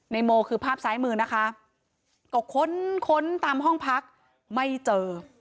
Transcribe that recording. โมคือภาพซ้ายมือนะคะก็ค้นค้นตามห้องพักไม่เจอ